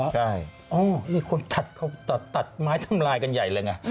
ใช่คุณตัดไม้ทำลายกันใหญ่เลยน่ะ